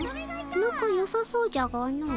なかよさそうじゃがの。